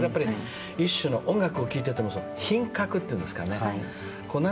一種の音楽を聴いていても品格というんですかね。